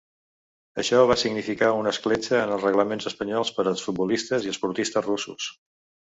Això va significar una escletxa en els reglaments espanyols per als futbolistes i esportistes russos.